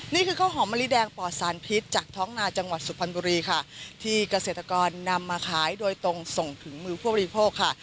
นี่คือข้าวหอมมะลิแดงปลอดสารพิษจากท้องนาจังหวัดสุพรรณบุรีค่ะที่เกษตรกรนำมาขายโดยตรงส่งถึงมือผู้บริโภคค่ะ